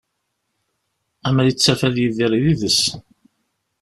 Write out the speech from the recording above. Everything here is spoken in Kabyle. Amer ittaf ad yidir yid-s.